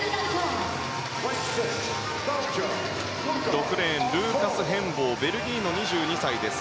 ６レーンルーカス・ヘンボーベルギーの２２歳です。